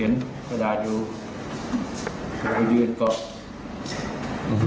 เห็นกระดาษอยู่